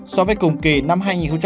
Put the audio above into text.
so với cùng kỳ năm hai nghìn hai mươi ba